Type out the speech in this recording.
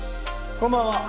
こんばんは。